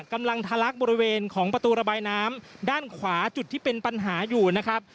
กำลังทะลักบริเวณของประตูระบายน้ำด้านขวาจุดที่เป็นปัญหาอยู่นะครับ